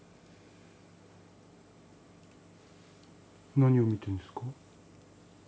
何を見てるんですか？